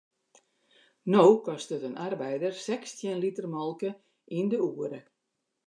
No kostet in arbeider sechstjin liter molke yn de oere.